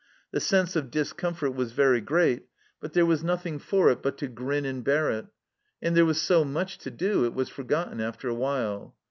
The sense of discomfort was very great, but there was nothing for it but to grin and bear it ; and there was so much to do, it was forgotten after a while.